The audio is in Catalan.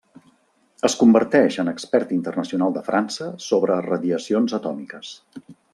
Es converteix en expert internacional de França sobre radiacions atòmiques.